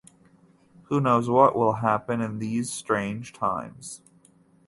Who knows what will happen in these strange times.